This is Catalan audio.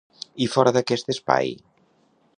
I fora d'aquest espai?